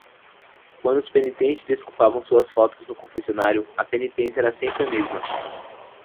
Quando os penitentes desculpavam suas faltas no confessionário, a penitência era sempre a mesma.